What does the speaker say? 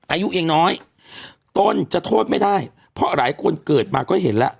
อายุยังน้อยต้นจะโทษไม่ได้เพราะหลายคนเกิดมาก็เห็นแล้ว